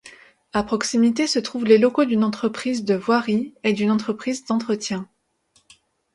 À proximité se trouvent les locaux d'une entreprise de voirie et d'une entreprise d'entretien.